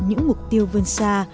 những mục tiêu vươn xa